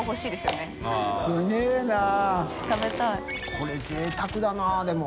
これぜいたくだなでも。